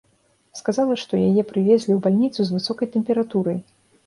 Сказала, што яе прывезлі ў бальніцу з высокай тэмпературай.